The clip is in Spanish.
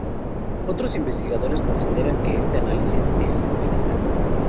Otros investigadores consideran que este análisis es simplista.